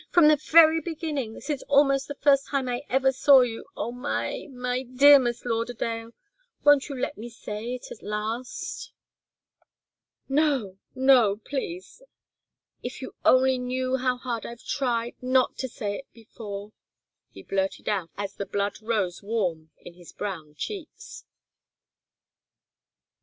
"From the very beginning, since almost the first time I ever saw you oh, my my dear Miss Lauderdale won't you let me say it at last?" "No no please " "If you only knew how hard I've tried not to say it before," he blurted out, as the blood rose warm in his brown cheeks.